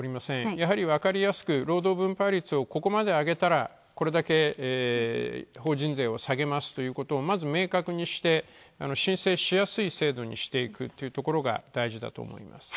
やはり分かりやすく労働分配率をここまで上げたら、これだけ法人税を下げますということをまず明確にして、申請しやすい制度にしていくというところが大事だと思います。